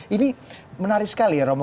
ini menarik sekali ya romo